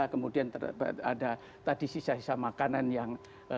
kemudian ada tadi sisa sisa makanan yang